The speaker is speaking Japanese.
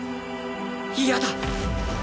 嫌だ！